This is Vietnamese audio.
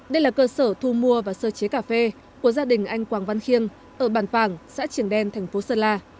đây là cơ sở thu mua và sơ chế cà phê của gia đình anh quang văn khiên ở bàn phàng xã triển đen tp sơn la